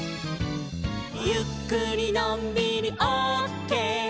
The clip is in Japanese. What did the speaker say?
「ゆっくりのんびりオッケー」